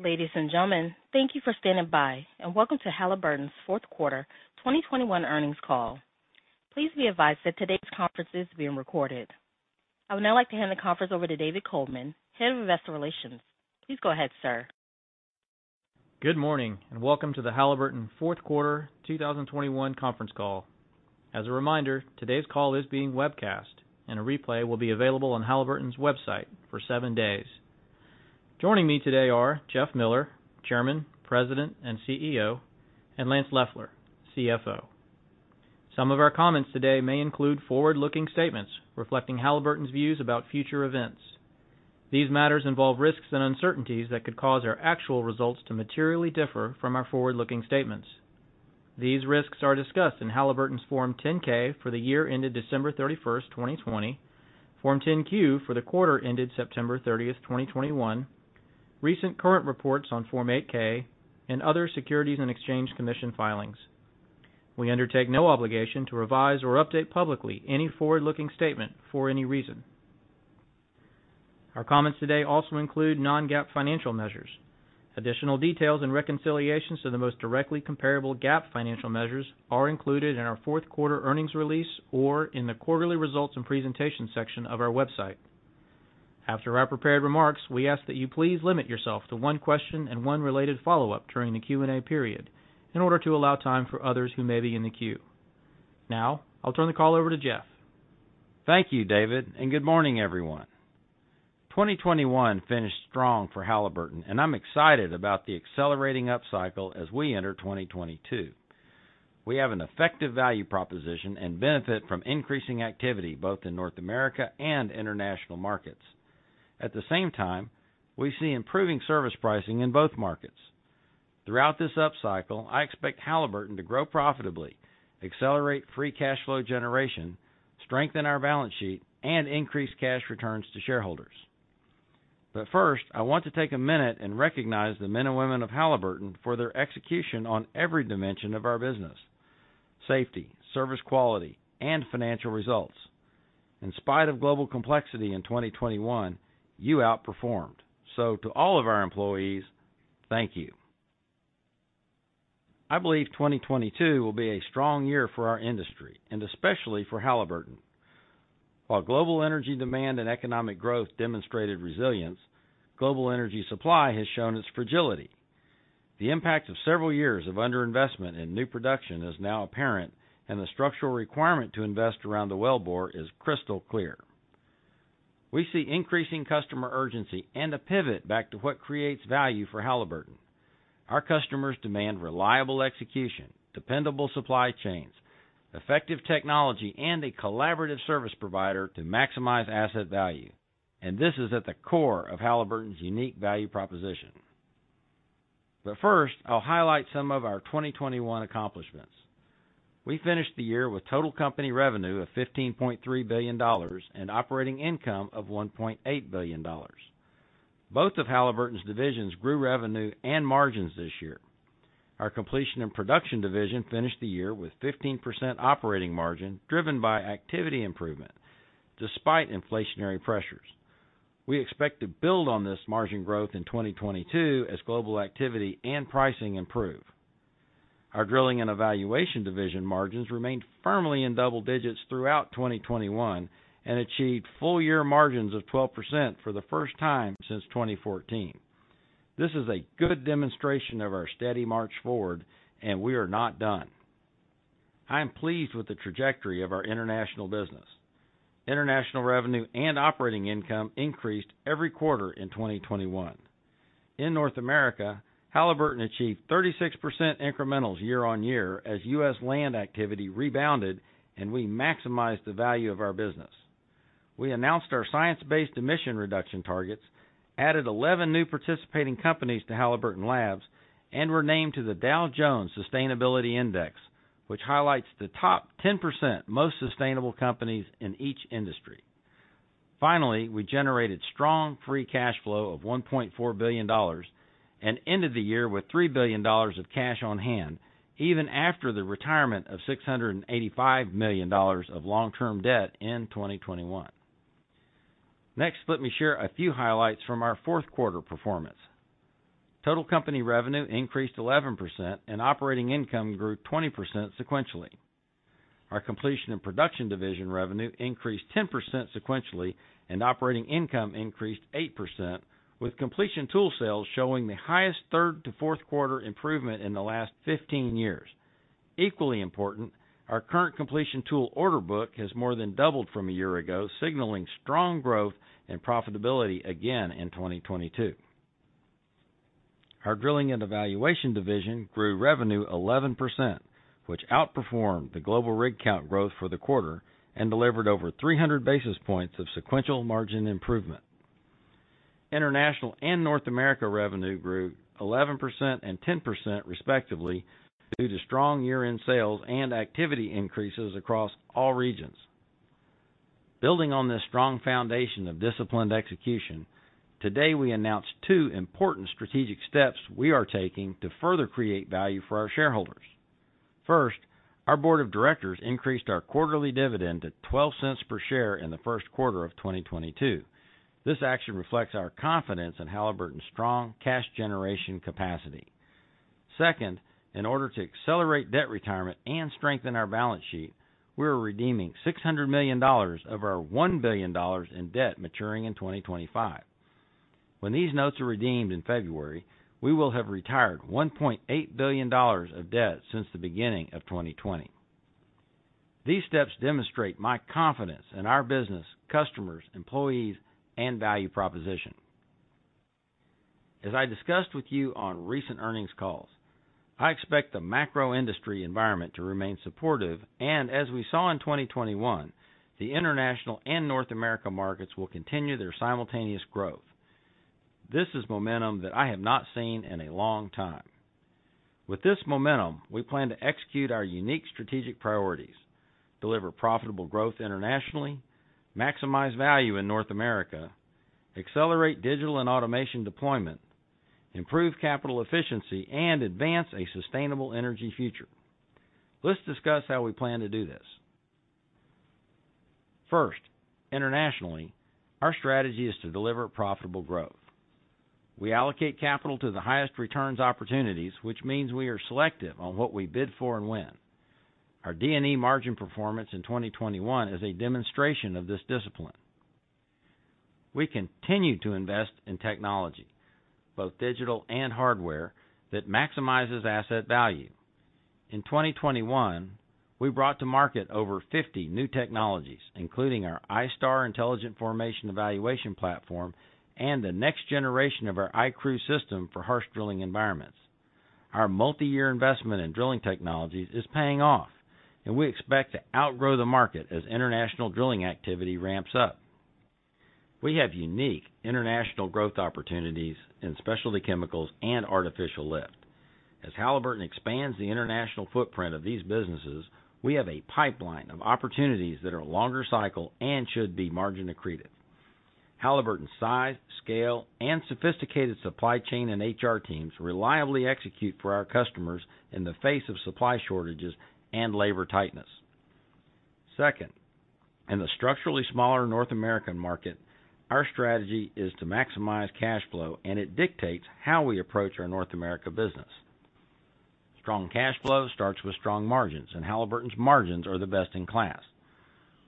Ladies and gentlemen, thank you for standing by, and Welcome to Halliburton's fourth quarter 2021 earnings call. Please be advised that today's conference is being recorded. I would now like to hand the conference over to David Coleman, Head of Investor Relations. Please go ahead, sir. Good morning, and welcome to the Halliburton fourth quarter 2021 conference call. As a reminder, today's call is being webcast, and a replay will be available on Halliburton's website for seven days. Joining me today are Jeff Miller, Chairman, President, and CEO, and Lance Loeffler, CFO. Some of our comments today may include forward-looking statements reflecting Halliburton's views about future events. These matters involve risks and uncertainties that could cause our actual results to materially differ from our forward-looking statements. These risks are discussed in Halliburton's Form 10-K for the year ended December 31, 2020, Form 10-Q for the quarter ended September 30th, 2021, recent current reports on Form 8-K, and other Securities and Exchange Commission filings. We undertake no obligation to revise or update publicly any forward-looking statement for any reason. Our comments today also include non-GAAP financial measures. Additional details and reconciliations to the most directly comparable GAAP financial measures are included in our fourth quarter earnings release or in the quarterly results and presentation section of our website. After our prepared remarks, we ask that you please limit yourself to one question and one related follow-up during the Q&A period in order to allow time for others who may be in the queue. Now, I'll turn the call over to Jeff. Thank you, David, and good morning, everyone. 2021 finished strong for Halliburton, and I'm excited about the accelerating up cycle as we enter 2022. We have an effective value proposition and benefit from increasing activity both in North America and international markets. At the same time, we see improving service pricing in both markets. Throughout this up cycle, I expect Halliburton to grow profitably, accelerate free cash flow generation, strengthen our balance sheet, and increase cash returns to shareholders. First, I want to take a minute and recognize the men and women of Halliburton for their execution on every dimension of our business: safety, service quality, and financial results. In spite of global complexity in 2021, you outperformed. To all of our employees, thank you. I believe 2022 will be a strong year for our industry, and especially for Halliburton. While global energy demand and economic growth demonstrated resilience, global energy supply has shown its fragility. The impact of several years of underinvestment in new production is now apparent, and the structural requirement to invest around the wellbore is crystal clear. We see increasing customer urgency and a pivot back to what creates value for Halliburton. Our customers demand reliable execution, dependable supply chains, effective technology, and a collaborative service provider to maximize asset value. This is at the core of Halliburton's unique value proposition. First, I'll highlight some of our 2021 accomplishments. We finished the year with total company revenue of $15.3 billion and operating income of $1.8 billion. Both of Halliburton's divisions grew revenue and margins this year. Our Completion and Production Division finished the year with 15% operating margin, driven by activity improvement despite inflationary pressures. We expect to build on this margin growth in 2022 as global activity and pricing improve. Our Drilling and Evaluation Division margins remained firmly in double digits throughout 2021 and achieved full year margins of 12% for the first time since 2014. This is a good demonstration of our steady march forward, and we are not done. I am pleased with the trajectory of our international business. International revenue and operating income increased every quarter in 2021. In North America, Halliburton achieved 36% incrementals year-on-year as U.S. land activity rebounded and we maximized the value of our business. We announced our science-based emission reduction targets, added 11 new participating companies to Halliburton Labs, and were named to the Dow Jones Sustainability Indices, which highlights the top 10% most sustainable companies in each industry. Finally, we generated strong free cash flow of $1.4 billion and ended the year with $3 billion of cash on hand even after the retirement of $685 million of long-term debt in 2021. Next, let me share a few highlights from our fourth quarter performance. Total company revenue increased 11% and operating income grew 20% sequentially. Our Completion and Production Division revenue increased 10% sequentially and operating income increased 8%, with completion tool sales showing the highest third to fourth quarter improvement in the last 15 years. Equally important, our current completion tool order book has more than doubled from a year ago, signaling strong growth and profitability again in 2022. Our Drilling and Evaluation Division grew revenue 11%, which outperformed the global rig count growth for the quarter and delivered over 300 basis points of sequential margin improvement. International and North America revenue grew 11% and 10%, respectively, due to strong year-end sales and activity increases across all regions. Building on this strong foundation of disciplined execution, today, we announced two important strategic steps we are taking to further create value for our shareholders. First, our board of directors increased our quarterly dividend to $0.12 per share in the first quarter of 2022. This action reflects our confidence in Halliburton's strong cash generation capacity. Second, in order to accelerate debt retirement and strengthen our balance sheet, we are redeeming $600 million of our $1 billion in debt maturing in 2025. When these notes are redeemed in February, we will have retired $1.8 billion of debt since the beginning of 2020. These steps demonstrate my confidence in our business, customers, employees, and value proposition. As I discussed with you on recent earnings calls, I expect the macro industry environment to remain supportive. As we saw in 2021, the International and North America markets will continue their simultaneous growth. This is momentum that I have not seen in a long time. With this momentum, we plan to execute our unique strategic priorities, deliver profitable growth internationally, maximize value in North America, accelerate digital and automation deployment, improve capital efficiency, and advance a sustainable energy future. Let's discuss how we plan to do this. First, internationally, our strategy is to deliver profitable growth. We allocate capital to the highest returns opportunities, which means we are selective on what we bid for and when. Our D&E margin performance in 2021 is a demonstration of this discipline. We continue to invest in technology, both digital and hardware, that maximizes asset value. In 2021, we brought to market over 50 new technologies, including our iStar intelligent formation evaluation platform and the next generation of our iCruise system for harsh drilling environments. Our multi-year investment in drilling technologies is paying off, and we expect to outgrow the market as international drilling activity ramps up. We have unique international growth opportunities in specialty chemicals and artificial lift. As Halliburton expands the international footprint of these businesses, we have a pipeline of opportunities that are longer cycle and should be margin accretive. Halliburton's size, scale, and sophisticated supply chain and HR teams reliably execute for our customers in the face of supply shortages and labor tightness. Second, in the structurally smaller North American market, our strategy is to maximize cash flow, and it dictates how we approach our North America business. Strong cash flow starts with strong margins, and Halliburton's margins are the best in class.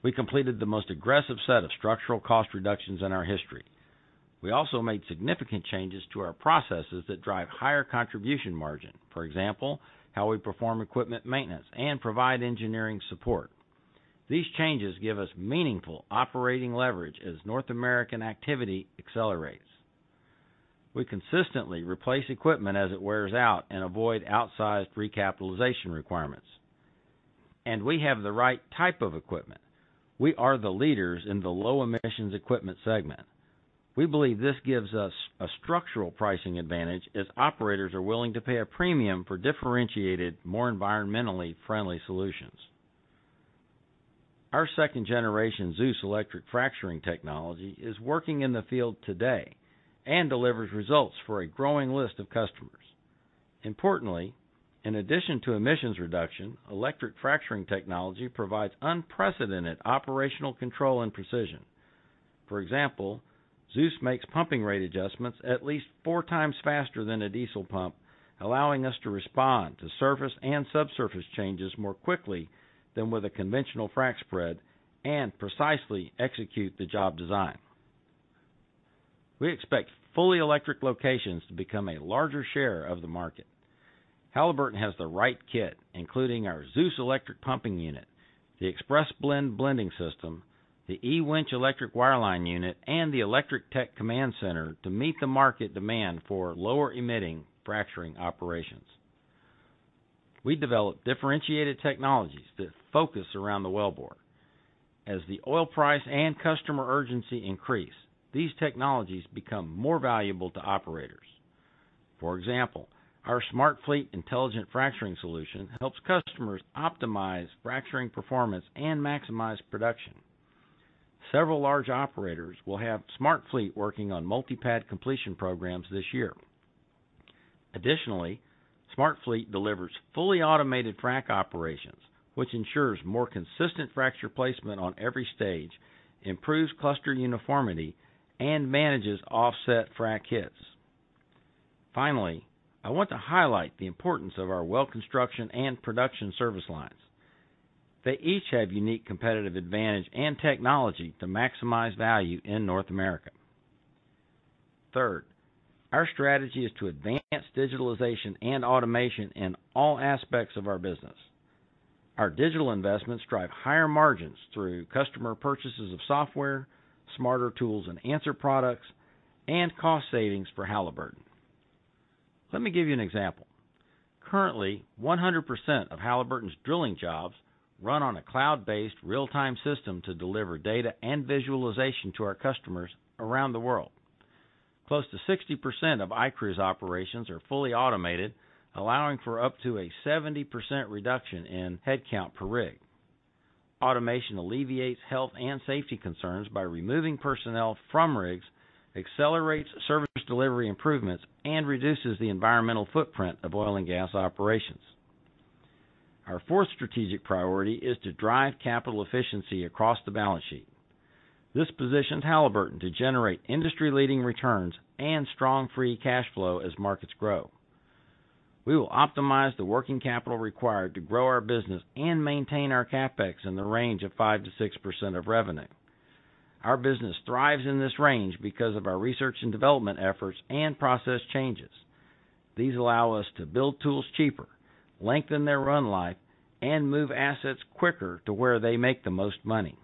We completed the most aggressive set of structural cost reductions in our history. We also made significant changes to our processes that drive higher contribution margin, for example, how we perform equipment maintenance and provide engineering support. These changes give us meaningful operating leverage as North American activity accelerates. We consistently replace equipment as it wears out and avoid outsized recapitalization requirements. We have the right type of equipment. We are the leaders in the low emissions equipment segment. We believe this gives us a structural pricing advantage as operators are willing to pay a premium for differentiated, more environmentally friendly solutions. Our second generation ZEUS electric fracturing technology is working in the field today and delivers results for a growing list of customers. Importantly, in addition to emissions reduction, electric fracturing technology provides unprecedented operational control and precision. For example, ZEUS makes pumping rate adjustments at least four times faster than a diesel pump, allowing us to respond to surface and subsurface changes more quickly than with a conventional frac spread and precisely execute the job design. We expect fully electric locations to become a larger share of the market. Halliburton has the right kit, including our ZEUS electric pumping unit, the ExpressBlend blending system, the eWinch electric wireline unit, and the Electric Tech Command Center to meet the market demand for lower emitting fracturing operations. We develop differentiated technologies that focus around the wellbore. As the oil price and customer urgency increase, these technologies become more valuable to operators. For example, our SmartFleet intelligent fracturing solution helps customers optimize fracturing performance and maximize production. Several large operators will have SmartFleet working on multi-pad completion programs this year. Additionally, SmartFleet delivers fully automated frac operations, which ensures more consistent fracture placement on every stage, improves cluster uniformity, and manages offset frac hits. Finally, I want to highlight the importance of our well construction and production service lines. They each have unique competitive advantage and technology to maximize value in North America. Third, our strategy is to advance digitalization and automation in all aspects of our business. Our digital investments drive higher margins through customer purchases of software, smarter tools and answer products, and cost savings for Halliburton. Let me give you an example. Currently, 100% of Halliburton's drilling jobs run on a cloud-based real-time system to deliver data and visualization to our customers around the world. Close to 60% of icruise operations are fully automated, allowing for up to a 70% reduction in headcount per rig. Automation alleviates health and safety concerns by removing personnel from rigs, accelerates service delivery improvements, and reduces the environmental footprint of oil and gas operations. Our fourth strategic priority is to drive capital efficiency across the balance sheet. This positions Halliburton to generate industry-leading returns and strong free cash flow as markets grow. We will optimize the working capital required to grow our business and maintain our CapEx in the range of 5%-6% of revenue. Our business thrives in this range because of our research and development efforts and process changes. These allow us to build tools cheaper, lengthen their run life, and move assets quicker to where they make the most money.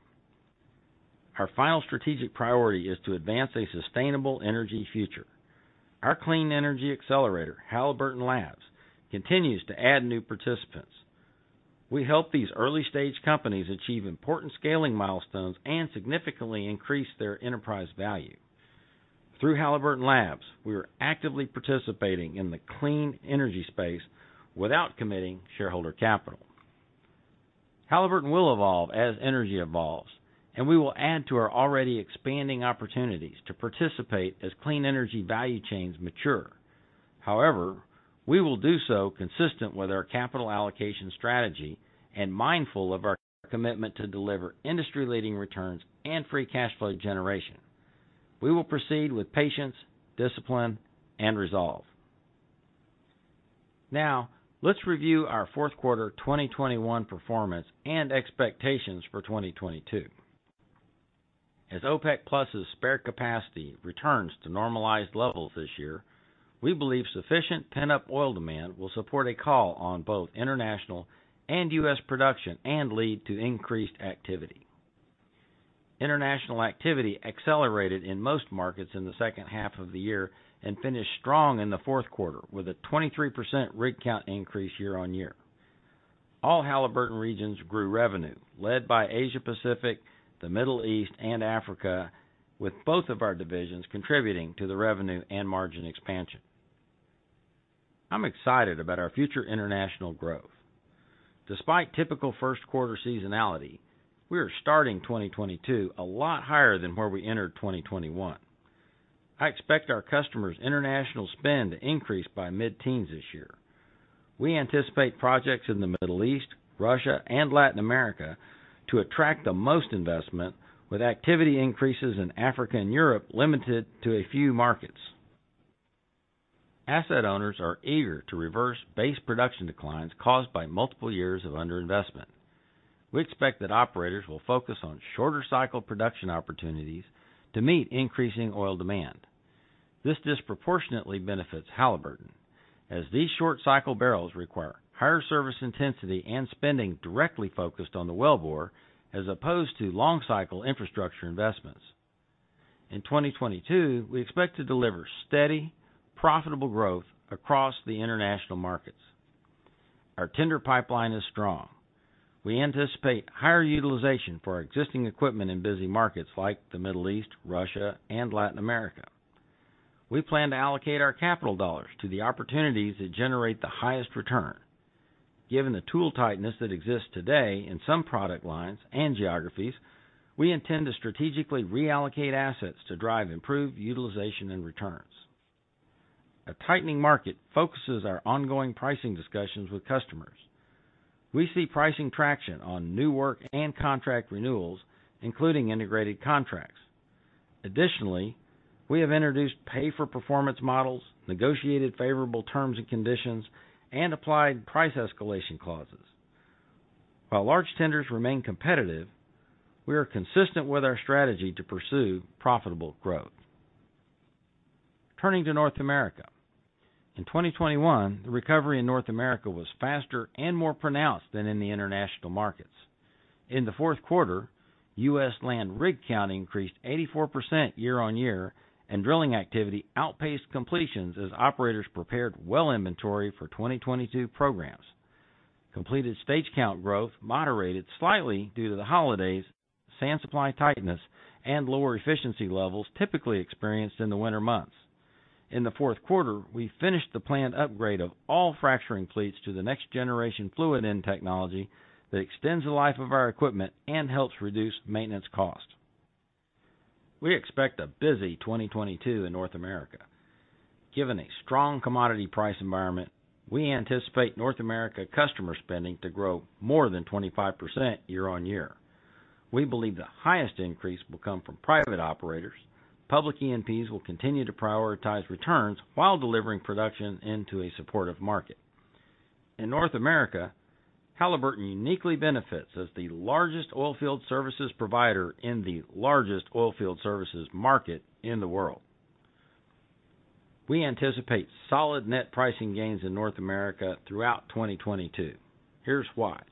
Our final strategic priority is to advance a sustainable energy future. Our clean energy accelerator, Halliburton Labs, continues to add new participants. We help these early-stage companies achieve important scaling milestones and significantly increase their enterprise value. Through Halliburton Labs, we are actively participating in the clean energy space without committing shareholder capital. Halliburton will evolve as energy evolves, and we will add to our already expanding opportunities to participate as clean energy value chains mature. However, we will do so consistent with our capital allocation strategy and mindful of our commitment to deliver industry-leading returns and free cash flow generation. We will proceed with patience, discipline, and resolve. Now, let's review our fourth quarter 2021 performance and expectations for 2022. As OPEC Plus's spare capacity returns to normalized levels this year, we believe sufficient pent-up oil demand will support a call on both international and U.S. production and lead to increased activity. International activity accelerated in most markets in the second half of the year and finished strong in the fourth quarter with a 23% rig count increase year-on-year. All Halliburton regions grew revenue, led by Asia Pacific, the Middle East, and Africa, with both of our divisions contributing to the revenue and margin expansion. I'm excited about our future international growth. Despite typical first quarter seasonality, we are starting 2022 a lot higher than where we entered 2021. I expect our customers' international spend to increase by mid-teens% this year. We anticipate projects in the Middle East, Russia, and Latin America to attract the most investment, with activity increases in Africa and Europe limited to a few markets. Asset owners are eager to reverse base production declines caused by multiple years of underinvestment. We expect that operators will focus on shorter cycle production opportunities to meet increasing oil demand. This disproportionately benefits Halliburton, as these short cycle barrels require higher service intensity and spending directly focused on the wellbore as opposed to long cycle infrastructure investments. In 2022, we expect to deliver steady, profitable growth across the international markets. Our tender pipeline is strong. We anticipate higher utilization for our existing equipment in busy markets like the Middle East, Russia, and Latin America. We plan to allocate our capital dollars to the opportunities that generate the highest return. Given the tool tightness that exists today in some product lines and geographies, we intend to strategically reallocate assets to drive improved utilization and returns. A tightening market focuses our ongoing pricing discussions with customers. We see pricing traction on new work and contract renewals, including integrated contracts. Additionally, we have introduced pay-for-performance models, negotiated favorable terms and conditions, and applied price escalation clauses. While large tenders remain competitive, we are consistent with our strategy to pursue profitable growth. Turning to North America. In 2021, the recovery in North America was faster and more pronounced than in the international markets. In the fourth quarter, U.S. land rig count increased 84% year-on-year, and drilling activity outpaced completions as operators prepared well inventory for 2022 programs. Completed stage count growth moderated slightly due to the holidays, sand supply tightness, and lower efficiency levels typically experienced in the winter months. In the fourth quarter, we finished the planned upgrade of all fracturing fleets to the next generation fluid-end technology that extends the life of our equipment and helps reduce maintenance cost. We expect a busy 2022 in North America. Given a strong commodity price environment, we anticipate North America customer spending to grow more than 25% year-on-year. We believe the highest increase will come from private operators. Public E&Ps will continue to prioritize returns while delivering production into a supportive market. In North America, Halliburton uniquely benefits as the largest oilfield services provider in the largest oilfield services market in the world. We anticipate solid net pricing gains in North America throughout 2022. Here's why.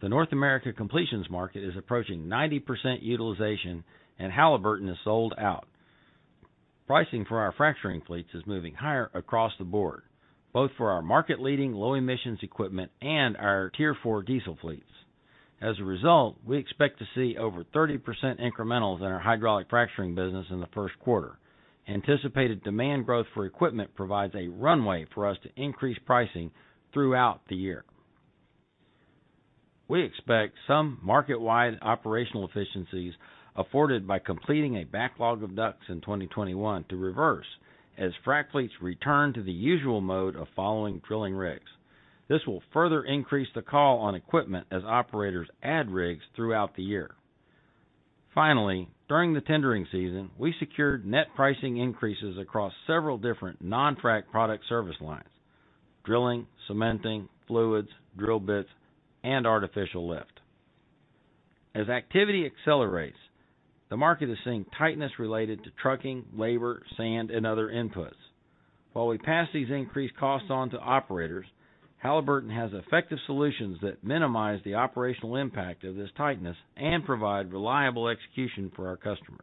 The North America completions market is approaching 90% utilization, and Halliburton is sold out. Pricing for our fracturing fleets is moving higher across the board, both for our market-leading low emissions equipment and our Tier 4 diesel fleets. As a result, we expect to see over 30% incrementals in our hydraulic fracturing business in the first quarter. Anticipated demand growth for equipment provides a runway for us to increase pricing throughout the year. We expect some market-wide operational efficiencies afforded by completing a backlog of DUCs in 2021 to reverse as frac fleets return to the usual mode of following drilling rigs. This will further increase the call on equipment as operators add rigs throughout the year. Finally, during the tendering season, we secured net pricing increases across several different non-frac product service lines, drilling, cementing, fluids, drill bits, and artificial lift. As activity accelerates, the market is seeing tightness related to trucking, labor, sand, and other inputs. While we pass these increased costs on to operators, Halliburton has effective solutions that minimize the operational impact of this tightness and provide reliable execution for our customers.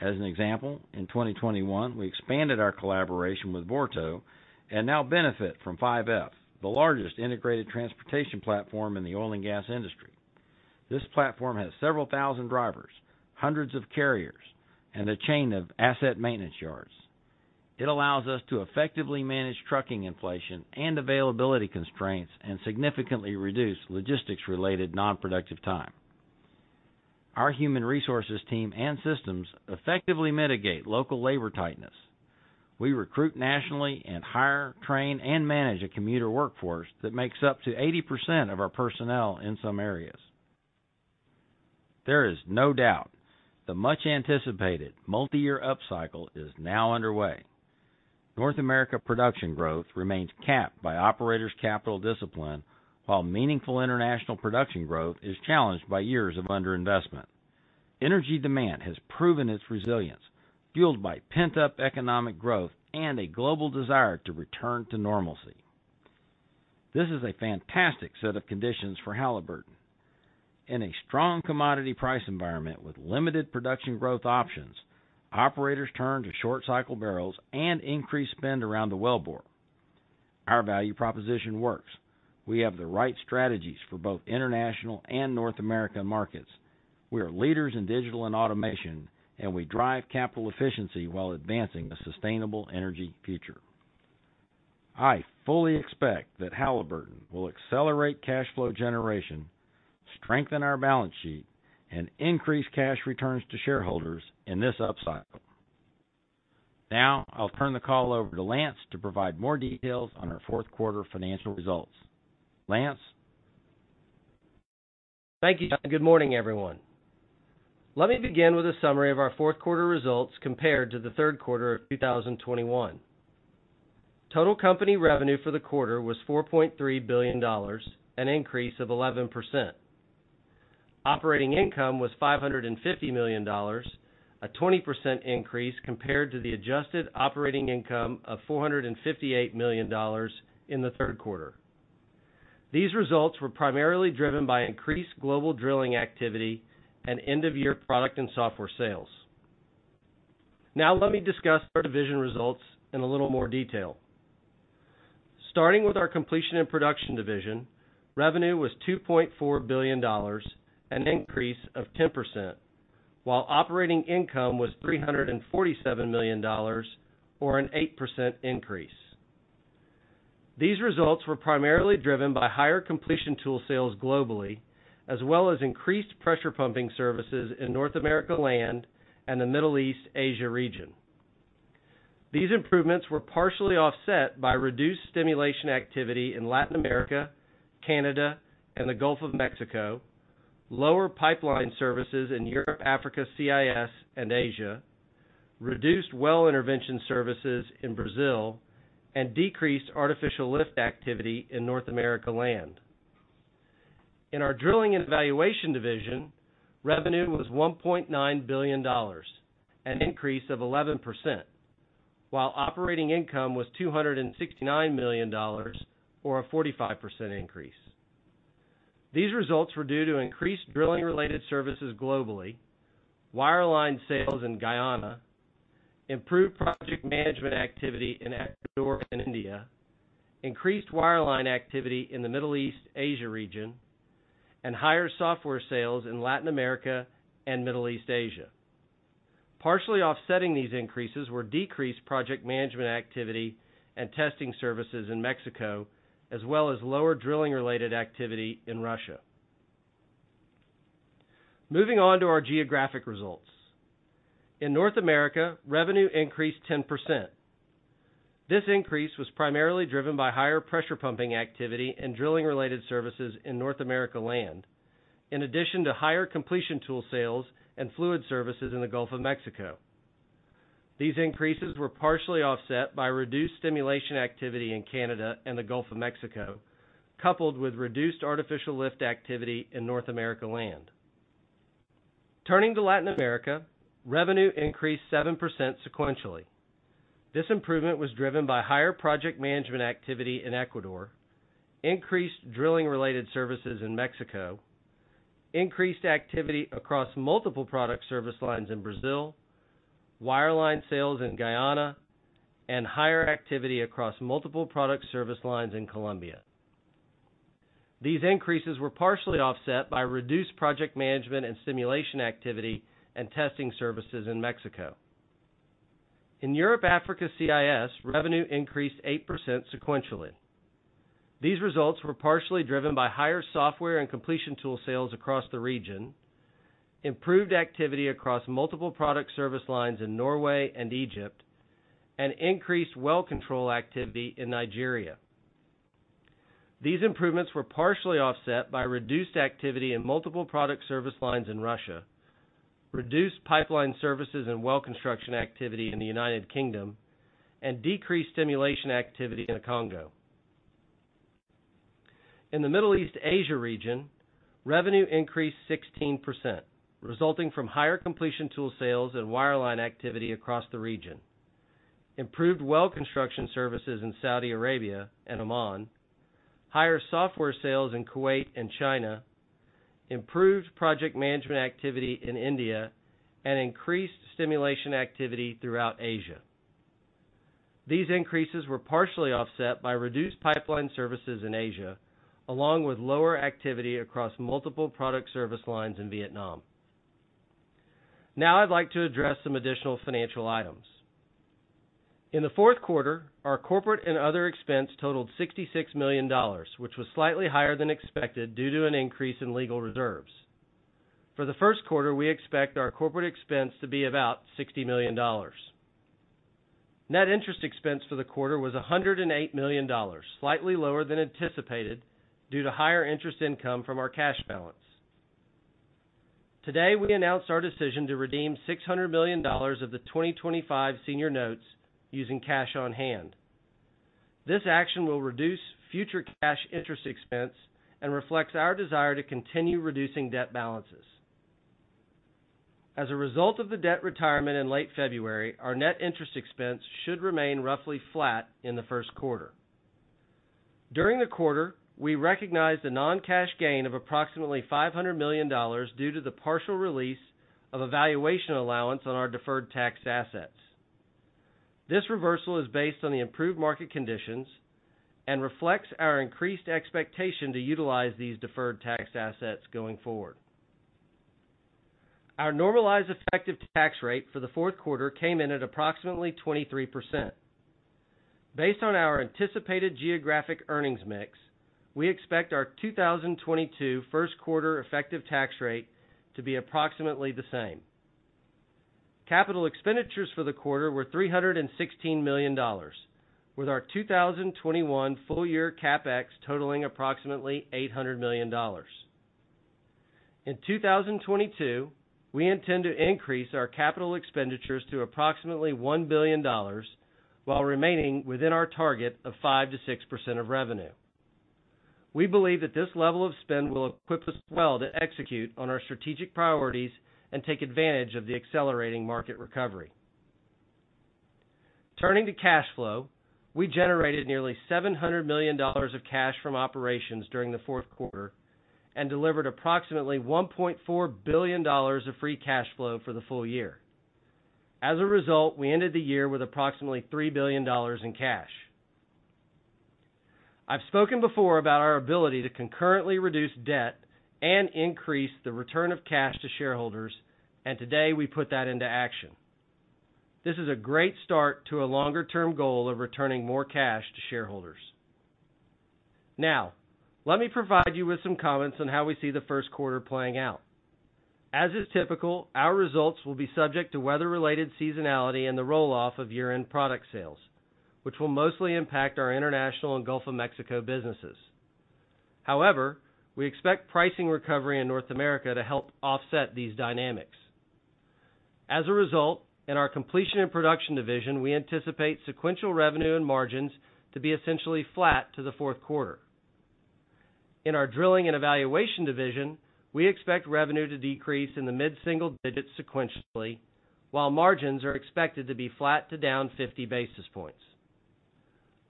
As an example, in 2021, we expanded our collaboration with Vorto and now benefit from 5F, the largest integrated transportation platform in the oil and gas industry. This platform has several thousand drivers, hundreds of carriers, and a chain of asset maintenance yards. It allows us to effectively manage trucking inflation and availability constraints and significantly reduce logistics-related non-productive time. Our human resources team and systems effectively mitigate local labor tightness. We recruit nationally and hire, train, and manage a commuter workforce that makes up to 80% of our personnel in some areas. There is no doubt the much-anticipated multiyear upcycle is now underway. North America production growth remains capped by operators' capital discipline, while meaningful international production growth is challenged by years of underinvestment. Energy demand has proven its resilience, fueled by pent-up economic growth and a global desire to return to normalcy. This is a fantastic set of conditions for Halliburton. In a strong commodity price environment with limited production growth options, operators turn to short-cycle barrels and increase spend around the wellbore. Our value proposition works. We have the right strategies for both international and North American markets. We are leaders in digital and automation, and we drive capital efficiency while advancing a sustainable energy future. I fully expect that Halliburton will accelerate cash flow generation, strengthen our balance sheet, and increase cash returns to shareholders in this upcycle. Now, I'll turn the call over to Lance to provide more details on our fourth quarter financial results. Lance? Thank you, David, and good morning, everyone. Let me begin with a summary of our fourth quarter results compared to the third quarter of 2021. Total company revenue for the quarter was $4.3 billion, an increase of 11%. Operating income was $550 million, a 20% increase compared to the adjusted operating income of $458 million in the third quarter. These results were primarily driven by increased global drilling activity and end-of-year product and software sales. Now let me discuss our division results in a little more detail. Starting with our Completion and Production Division, revenue was $2.4 billion, an increase of 10%, while operating income was $347 million or an 8% increase. These results were primarily driven by higher completion tool sales globally, as well as increased pressure pumping services in North America Land and the Middle East/Asia region. These improvements were partially offset by reduced stimulation activity in Latin America, Canada, and the Gulf of Mexico, lower pipeline services in Europe, Africa, CIS, and Asia, reduced well intervention services in Brazil, and decreased artificial lift activity in North America Land. In our Drilling and Evaluation Division, revenue was $1.9 billion, an increase of 11%, while operating income was $269 million or a 45% increase. These results were due to increased drilling-related services globally, wireline sales in Guyana, improved project management activity in Ecuador and India, increased wireline activity in the Middle East/Asia region, and higher software sales in Latin America and Middle East/Asia. Partially offsetting these increases were decreased project management activity and testing services in Mexico, as well as lower drilling-related activity in Russia. Moving on to our geographic results. In North America, revenue increased 10%. This increase was primarily driven by higher pressure pumping activity and drilling-related services in North America Land, in addition to higher completion tool sales and fluid services in the Gulf of Mexico. These increases were partially offset by reduced stimulation activity in Canada and the Gulf of Mexico, coupled with reduced artificial lift activity in North America Land. Turning to Latin America, revenue increased 7% sequentially. This improvement was driven by higher project management activity in Ecuador, increased drilling-related services in Mexico, increased activity across multiple product service lines in Brazil, wireline sales in Guyana, and higher activity across multiple product service lines in Colombia. These increases were partially offset by reduced project management and stimulation activity and testing services in Mexico. In Europe, Africa, CIS, revenue increased 8% sequentially. These results were partially driven by higher software and completion tool sales across the region, improved activity across multiple product service lines in Norway and Egypt, and increased well control activity in Nigeria. These improvements were partially offset by reduced activity in multiple product service lines in Russia, reduced pipeline services and well construction activity in the United Kingdom, and decreased stimulation activity in the Congo. In the Middle East/Asia region, revenue increased 16%, resulting from higher completion tool sales and wireline activity across the region, improved well construction services in Saudi Arabia and Oman, higher software sales in Kuwait and China, improved project management activity in India, and increased stimulation activity throughout Asia. These increases were partially offset by reduced pipeline services in Asia, along with lower activity across multiple product service lines in Vietnam. Now I'd like to address some additional financial items. In the fourth quarter, our corporate and other expense totaled $66 million, which was slightly higher than expected due to an increase in legal reserves. For the first quarter, we expect our corporate expense to be about $60 million. Net interest expense for the quarter was $108 million, slightly lower than anticipated due to higher interest income from our cash balance. Today, we announced our decision to redeem $600 million of the 2025 senior notes using cash on hand. This action will reduce future cash interest expense and reflects our desire to continue reducing debt balances. As a result of the debt retirement in late February, our net interest expense should remain roughly flat in the first quarter. During the quarter, we recognized a non-cash gain of approximately $500 million due to the partial release of a valuation allowance on our deferred tax assets. This reversal is based on the improved market conditions and reflects our increased expectation to utilize these deferred tax assets going forward. Our normalized effective tax rate for the fourth quarter came in at approximately 23%. Based on our anticipated geographic earnings mix, we expect our 2022 first quarter effective tax rate to be approximately the same. Capital expenditures for the quarter were $316 million, with our 2021 full year CapEx totaling approximately $800 million. In 2022, we intend to increase our capital expenditures to approximately $1 billion while remaining within our target of 5%-6% of revenue. We believe that this level of spend will equip us well to execute on our strategic priorities and take advantage of the accelerating market recovery. Turning to cash flow, we generated nearly $700 million of cash from operations during the fourth quarter and delivered approximately $1.4 billion of free cash flow for the full year. As a result, we ended the year with approximately $3 billion in cash. I've spoken before about our ability to concurrently reduce debt and increase the return of cash to shareholders, and today we put that into action. This is a great start to a longer-term goal of returning more cash to shareholders. Now, let me provide you with some comments on how we see the first quarter playing out. As is typical, our results will be subject to weather-related seasonality and the roll-off of year-end product sales, which will mostly impact our international and Gulf of Mexico businesses. However, we expect pricing recovery in North America to help offset these dynamics. As a result, in our Completion and Production Division, we anticipate sequential revenue and margins to be essentially flat to the fourth quarter. In our Drilling and Evaluation Division, we expect revenue to decrease in the mid-single digits sequentially, while margins are expected to be flat to down 50 basis points.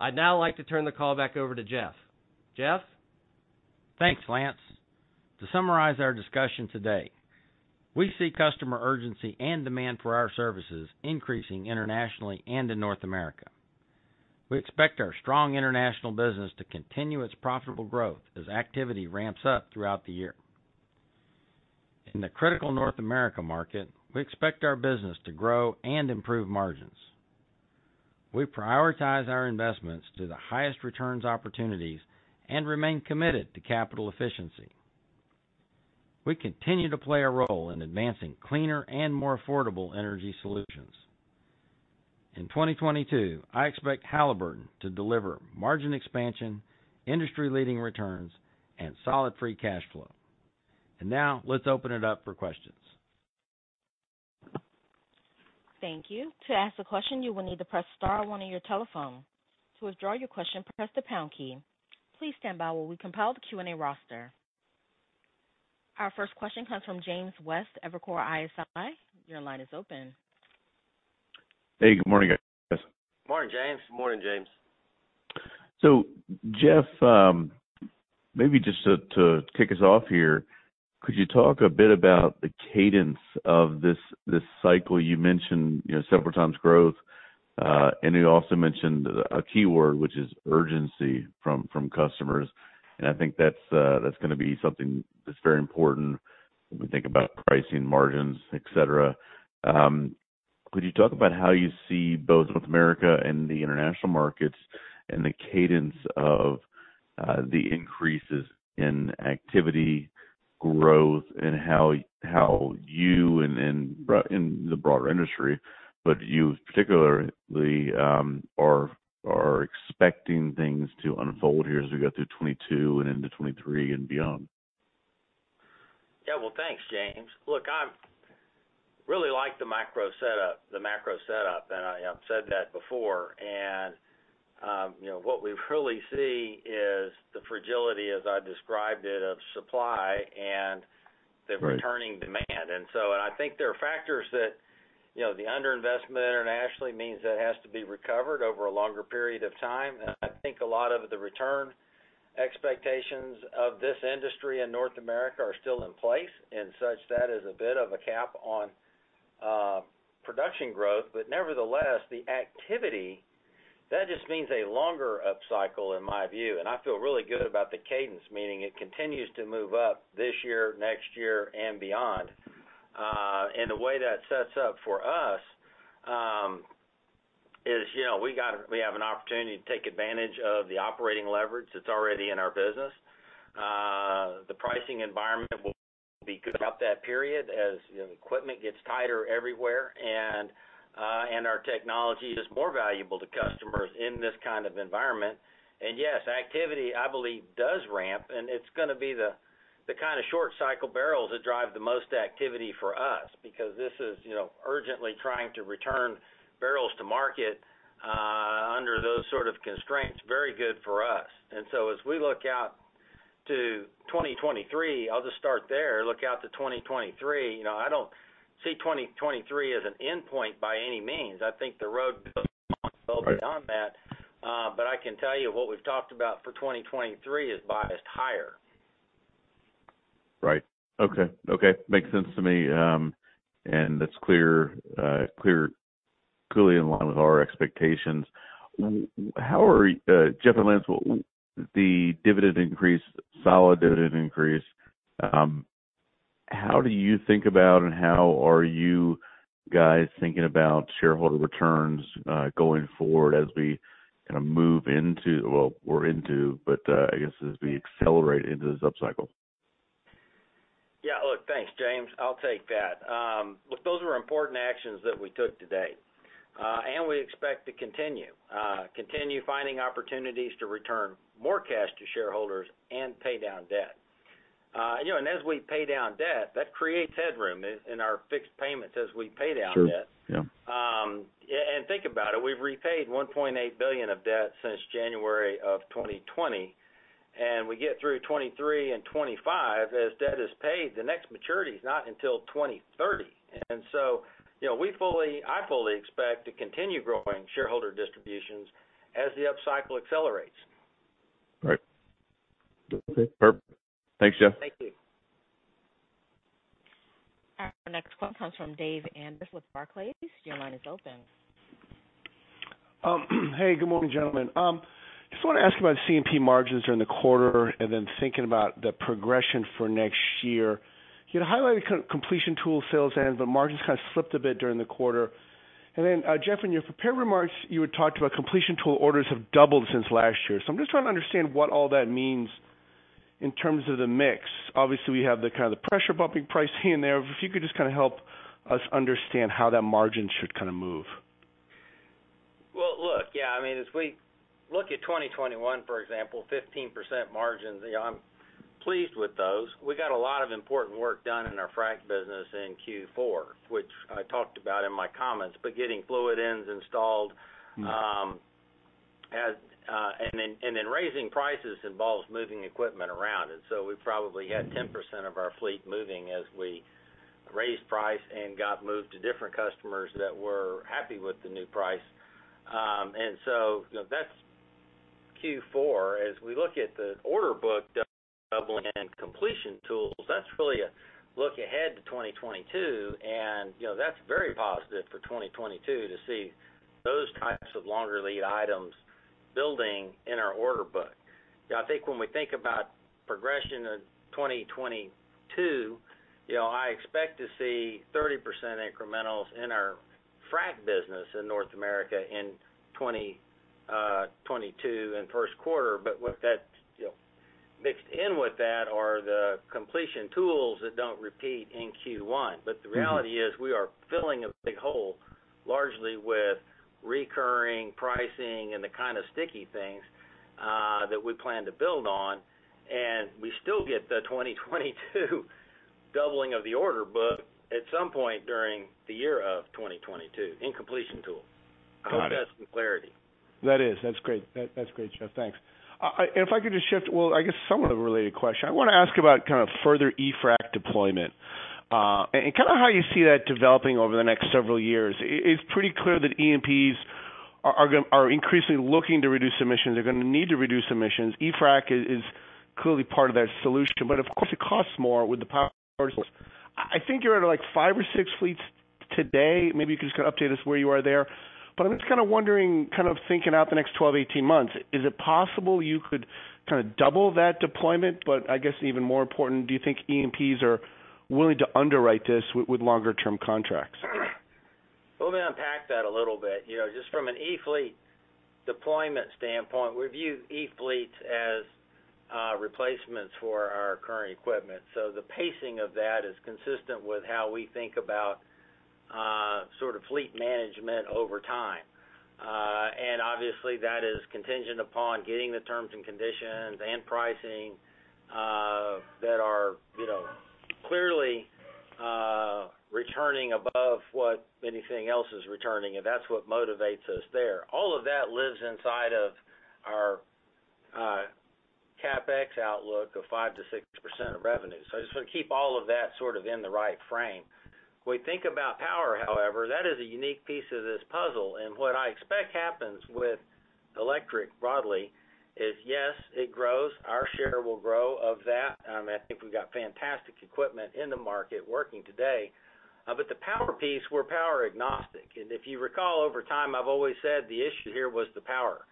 I'd now like to turn the call back over to Jeff. Jeff? Thanks, Lance. To summarize our discussion today, we see customer urgency and demand for our services increasing internationally and in North America. We expect our strong international business to continue its profitable growth as activity ramps up throughout the year. In the critical North America market, we expect our business to grow and improve margins. We prioritize our investments to the highest returns opportunities and remain committed to capital efficiency. We continue to play a role in advancing cleaner and more affordable energy solutions. In 2022, I expect Halliburton to deliver margin expansion, industry-leading returns, and solid free cash flow. Now let's open it up for questions. Thank you. To ask a question, you will need to press star one on your telephone. To withdraw your question, press the pound key. Please stand by while we compile the Q&A roster. Our first question comes from James West, Evercore ISI. Your line is open. Hey, good morning, guys. Morning, James. Morning, James. Jeff, maybe just to kick us off here, could you talk a bit about the cadence of this cycle? You mentioned, you know, several times growth, and you also mentioned a keyword which is urgency from customers. I think that's gonna be something that's very important when we think about pricing margins, et cetera. Could you talk about how you see both North America and the international markets and the cadence of the increases in activity growth and how you and the broader industry, but you particularly, are expecting things to unfold here as we go through 2022 and into 2023 and beyond? Yeah. Well, thanks, James. Look, I really like the micro setup, the macro setup, and I've said that before. You know, what we really see is the fragility, as I described it, of supply and the returning demand. I think there are factors that, you know, the under-investment internationally means that has to be recovered over a longer period of time. I think a lot of the return expectations of this industry in North America are still in place, and such that is a bit of a cap on production growth. Nevertheless, the activity, that just means a longer upcycle in my view, and I feel really good about the cadence, meaning it continues to move up this year, next year and beyond. The way that sets up for us is, you know, we have an opportunity to take advantage of the operating leverage that's already in our business. The pricing environment will be good throughout that period as equipment gets tighter everywhere and our technology is more valuable to customers in this kind of environment. Yes, activity, I believe, does ramp, and it's gonna be the kind of short cycle barrels that drive the most activity for us because this is, you know, urgently trying to return barrels to market under those sort of constraints, very good for us. As we look out to 2023, I'll just start there, look out to 2023, you know, I don't see 2023 as an endpoint by any means. I think the road goes on well beyond that. I can tell you what we've talked about for 2023 is biased higher. Right. Okay. Makes sense to me. That's clearly in line with our expectations. How are Jeff and Lance with the dividend increase, solid dividend increase, how do you think about and how are you guys thinking about shareholder returns going forward as we accelerate into this upcycle? Yeah. Look, thanks, James. I'll take that. Look, those were important actions that we took today, and we expect to continue finding opportunities to return more cash to shareholders and pay down debt. You know, and as we pay down debt, that creates headroom in our fixed payments as we pay down debt. Sure. Yeah. Yeah, think about it. We've repaid $1.8 billion of debt since January of 2020, and we get through 2023 and 2025. As debt is paid, the next maturity is not until 2030. You know, I fully expect to continue growing shareholder distributions as the upcycle accelerates. Right. Okay. Thanks, Jeff. Thank you. Our next call comes from Dave Anderson with Barclays. Your line is open. Hey, good morning, gentlemen. Just wanna ask about C&P margins during the quarter and then thinking about the progression for next year. You know, you highlighted completion tool sales and the margins kind of slipped a bit during the quarter. Jeff, in your prepared remarks, you had talked about completion tool orders have doubled since last year. I'm just trying to understand what all that means in terms of the mix. Obviously, we have the kind of the pressure pumping pricing in there. If you could just kind of help us understand how that margin should kind of move. Well, look, yeah, I mean, as we look at 2021, for example, 15% margins, you know, I'm pleased with those. We got a lot of important work done in our frac business in Q4, which I talked about in my comments, but getting fluid ends installed. Raising prices involves moving equipment around, and so we probably had 10% of our fleet moving as we raised price and got moved to different customers that were happy with the new price. You know, that's Q4. As we look at the order book doubling in completion tools, that's really a look ahead to 2022, and, you know, that's very positive for 2022 to see those types of longer lead items building in our order book. You know, I think when we think about progression in 2022, you know, I expect to see 30% incrementals in our frac business in North America in 2022 in first quarter. What that's, you know, mixed in with that are the completion tools that don't repeat in Q1. The reality is we are filling a big hole, largely with recurring pricing and the kind of sticky things that we plan to build on, and we still get the 2022 doubling of the order book at some point during the year of 2022 in completion tools. Got it. I hope that's some clarity. That's great, Jeff. Thanks. If I could just shift, well, I guess somewhat of a related question. I wanna ask about kind of further e-frac deployment, and kind of how you see that developing over the next several years. It's pretty clear that E&Ps are increasingly looking to reduce emissions. They're gonna need to reduce emissions. e-frac is clearly part of that solution, but of course, it costs more with the power source. I think you're at, like, five or six fleets today. Maybe you can just kinda update us where you are there. I'm just kind of wondering, kind of thinking out the next 12-18 months, is it possible you could kind of double that deployment? I guess even more important, do you think E&Ps are willing to underwrite this with longer term contracts? Let me unpack that a little bit. You know, just from an e-fleet deployment standpoint, we view e-fleets as replacements for our current equipment. The pacing of that is consistent with how we think about sort of fleet management over time. Obviously, that is contingent upon getting the terms and conditions and pricing that are, you know, clearly returning above what anything else is returning, and that's what motivates us there. All of that lives inside of our CapEx outlook of 5%-6% of revenue. I just wanna keep all of that sort of in the right frame. We think about power, however, that is a unique piece of this puzzle. What I expect happens with electric broadly is, yes, it grows. Our share will grow of that. I think we've got fantastic equipment in the market working today. The power piece, we're power agnostic. If you recall over time, I've always said the issue here was the power,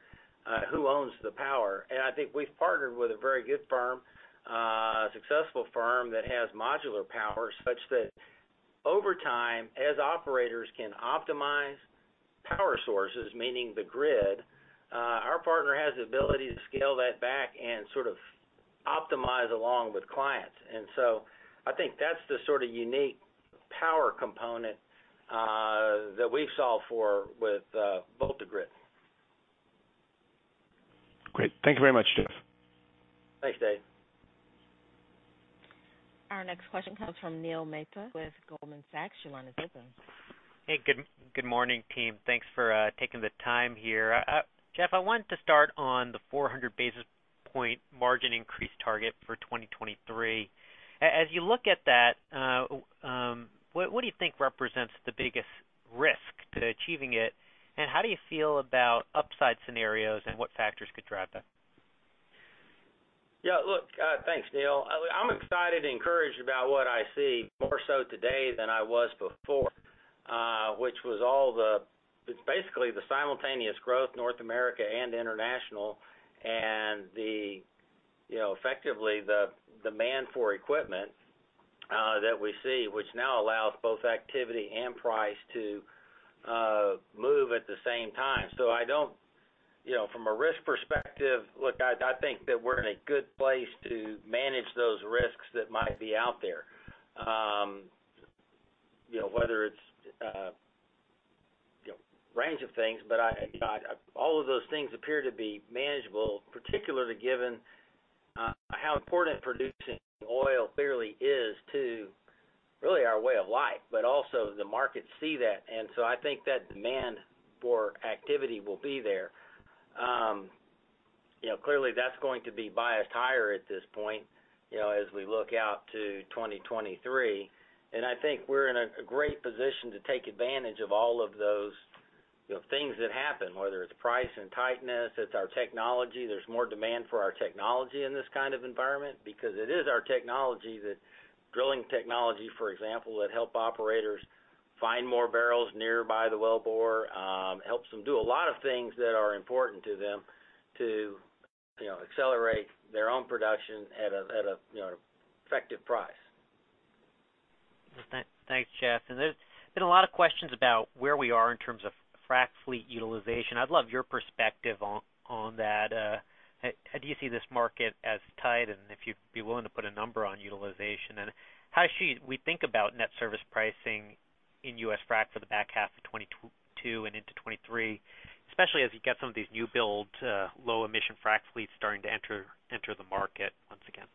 who owns the power. I think we've partnered with a very good firm, a successful firm that has modular power such that over time, as operators can optimize power sources, meaning the grid, our partner has the ability to scale that back and sort of optimize along with clients. I think that's the sort of unique power component, that we've solved for with VoltaGrid. Great. Thank you very much, Jeff. Thanks, Dave. Our next question comes from Neil Mehta with Goldman Sachs. Your line is open. Hey, good morning, team. Thanks for taking the time here. Jeff, I want to start on the 400 basis point margin increase target for 2023. As you look at that, what do you think represents the biggest risk to achieving it? How do you feel about upside scenarios and what factors could drive that? Yeah, look, thanks, Neil. I'm excited and encouraged about what I see more so today than I was before, which was all the—it's basically the simultaneous growth in North America and international and the, you know, effectively the demand for equipment that we see, which now allows both activity and price to move at the same time. I don't, you know, from a risk perspective, look, I think that we're in a good place to manage those risks that might be out there. You know, whether it's a range of things, but all of those things appear to be manageable, particularly given how important producing oil clearly is to really our way of life, but also the markets see that. I think that demand for activity will be there. You know, clearly that's going to be biased higher at this point, you know, as we look out to 2023. I think we're in a great position to take advantage of all of those, you know, things that happen, whether it's price and tightness, it's our technology. There's more demand for our technology in this kind of environment because it is our technology that drilling technology, for example, that help operators find more barrels nearby the wellbore, helps them do a lot of things that are important to them to, you know, accelerate their own production at a you know, effective price. Thanks, Jeff. There's been a lot of questions about where we are in terms of frac fleet utilization. I'd love your perspective on that. How do you see this market as tight? If you'd be willing to put a number on utilization. How should we think about net service pricing in U.S. frac for the back half of 2022 and into 2023, especially as you get some of these new build low emission frac fleets starting to enter the market once again?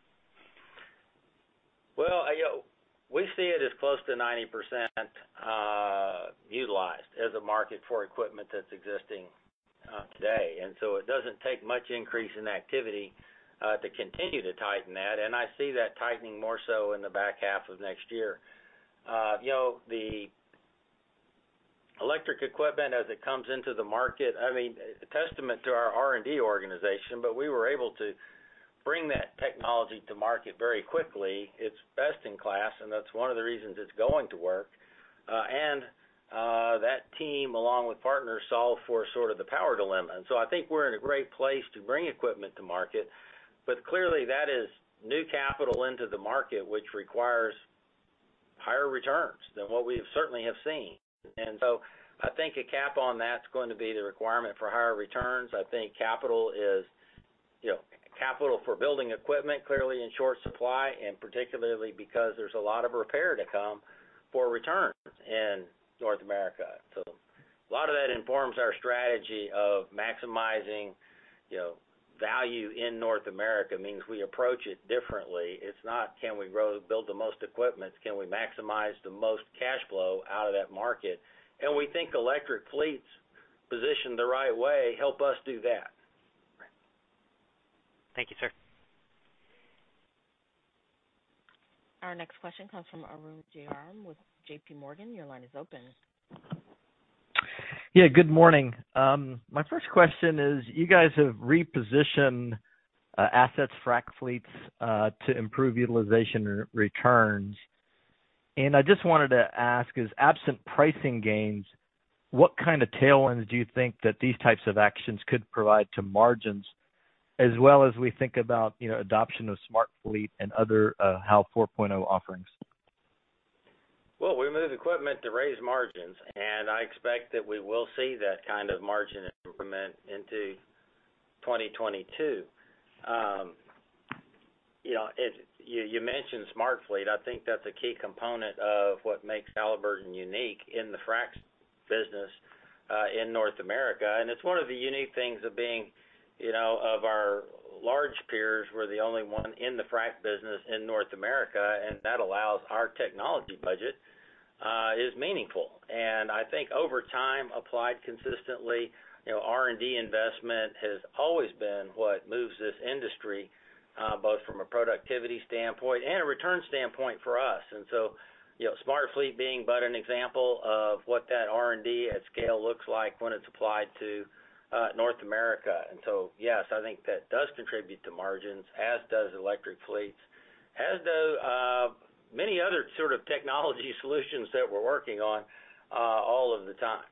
Well, you know, we see it as close to 90%, utilized as a market for equipment that's existing today. It doesn't take much increase in activity to continue to tighten that. I see that tightening more so in the back half of next year. You know, the electric equipment as it comes into the market, I mean, a testament to our R&D organization, but we were able to bring that technology to market very quickly. It's best in class, and that's one of the reasons it's going to work. That team, along with partners, solve for sort of the power dilemma. I think we're in a great place to bring equipment to market. Clearly, that is new capital into the market, which requires higher returns than what we certainly have seen. I think CapEx, that's going to be the requirement for higher returns. I think capital is, you know, capital for building equipment clearly in short supply, and particularly because there's a lot of repair to come for returns in North America. A lot of that informs our strategy of maximizing, you know, value in North America. Means we approach it differently. It's not can we build the most equipment, it's can we maximize the most cash flow out of that market? We think electric fleets positioned the right way help us do that. Right. Thank you, sir. Our next question comes from Arun Jayaram with J.P. Morgan. Your line is open. Yeah, good morning. My first question is, you guys have repositioned assets frac fleets to improve utilization returns. I just wanted to ask, as absent pricing gains, what kind of tailwinds do you think that these types of actions could provide to margins as well as we think about, you know, adoption of SmartFleet and other, Halliburton 4.0 offerings? Well, we move equipment to raise margins, and I expect that we will see that kind of margin improvement into 2022. You know, You mentioned SmartFleet. I think that's a key component of what makes Halliburton unique in the fracs business in North America. It's one of the unique things of being, you know, of our large peers, we're the only one in the frac business in North America, and that allows our technology budget is meaningful. I think over time, applied consistently, you know, R&D investment has always been what moves this industry both from a productivity standpoint and a return standpoint for us. You know, SmartFleet being but an example of what that R&D at scale looks like when it's applied to North America. Yes, I think that does contribute to margins, as does electric fleets, as do many other sort of technology solutions that we're working on all of the time.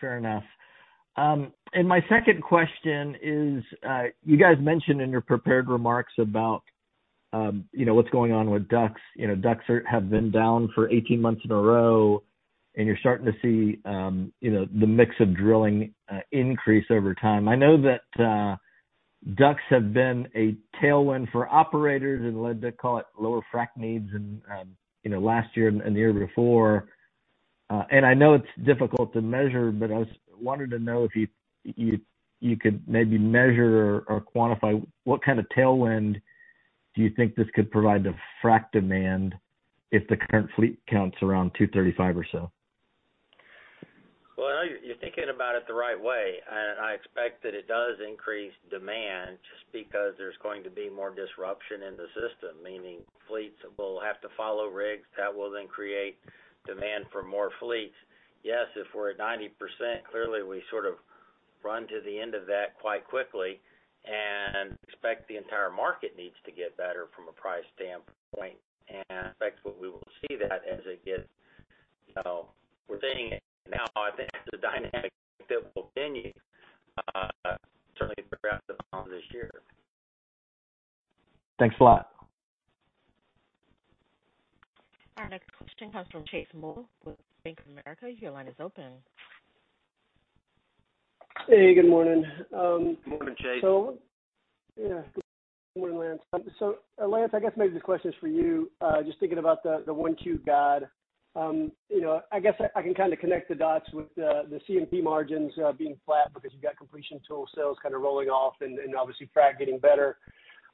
Fair enough. My second question is, you guys mentioned in your prepared remarks about, you know, what's going on with DUCs. You know, DUCs have been down for 18 months in a row, and you're starting to see, you know, the mix of drilling increase over time. I know that DUCs have been a tailwind for operators and led to, call it, lower frac needs in, you know, last year and the year before. I know it's difficult to measure, but I wanted to know if you could maybe measure or quantify what kind of tailwind do you think this could provide to frac demand if the current fleet counts around 235 or so? Well, you're thinking about it the right way. I expect that it does increase demand just because there's going to be more disruption in the system, meaning fleets will have to follow rigs. That will then create demand for more fleets. Yes, if we're at 90%, clearly we sort of run to the end of that quite quickly and expect the entire market needs to get better from a price standpoint. I expect what we will see that as it gets, you know, we're seeing it now. I think it's a dynamic that will continue, certainly throughout the course of this year. Thanks a lot. Our next question comes from Chase Mulvehill with Bank of America. Your line is open. Hey, good morning. Good morning, Chase. Yeah. Good morning, Lance. Lance, I guess maybe this question is for you. Just thinking about the 1Q guide. You know, I guess I can kind of connect the dots with the C&P margins being flat because you've got completion tools sales kind of rolling off and obviously frac getting better.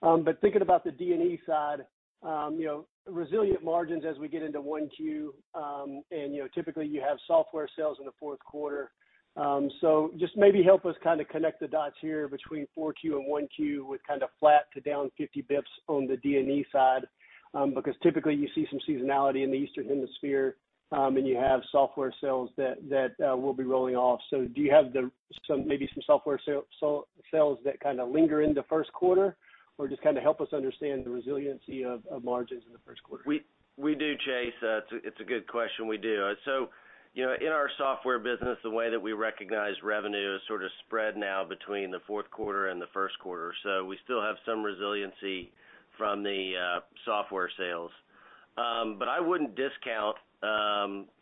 But thinking about the D&E side, you know, resilient margins as we get into 1Q, and you know, typically you have software sales in the 4Q. Just maybe help us kind of connect the dots here between 4Q and 1Q with kind of flat to down 50 bps on the D&E side. Because typically you see some seasonality in the Eastern Hemisphere, and you have software sales that will be rolling off. Do you have some, maybe some software sales that kind of linger in the first quarter? Or just kind of help us understand the resiliency of margins in the first quarter. We do, Chase. It's a good question. We do. You know, in our software business, the way that we recognize revenue is sort of spread now between the fourth quarter and the first quarter. We still have some resiliency from the software sales. I wouldn't discount